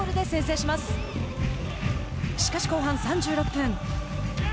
しかし後半３６分。